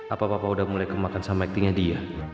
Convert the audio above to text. apa papa udah mulai kemakan sama ikhtinya dia